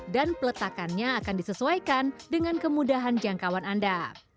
dan peletakannya akan disesuaikan dengan kemudahan jangkauan anda